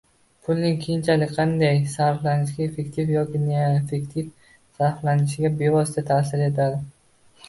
pulning keyinchalik qanday sarflanishiga, effektiv yoki noeffektiv sarflanishiga bevosita taʼsir etadi.